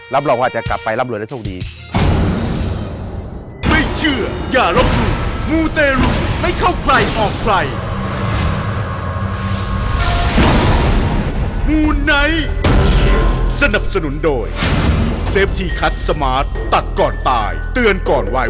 รับรองว่าจะกลับไปร่ำรวยและโชคดี